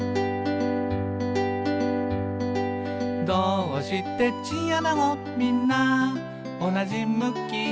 「どーうしてチンアナゴみんなおなじ向き？」